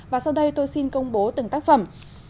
và sau đây tôi xin công bố từng tác phẩm